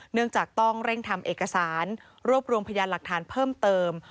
เนื่องจากต้องเร่งทำเอกสารรวบรวมพยานหลักฐานเพิ่มเติม